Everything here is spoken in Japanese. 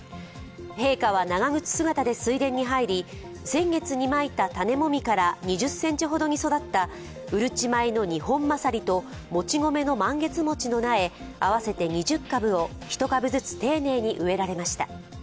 陛下は長靴姿で水田に入り先月にまいた種もみから２０ｃｍほどに育ったうるち米のニホンマサリともち米のマンゲツモチの苗、合わせて２０株を１株ずつ丁寧に植えられました。